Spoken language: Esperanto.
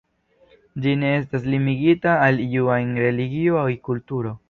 Ĝi ne estas limigita al iu ajn religio aŭ kulturo.